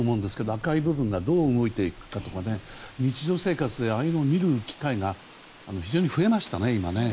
赤い部分がどう動いていくかとか日常生活でああいうのを見る機会が非常に増えましたね、今は。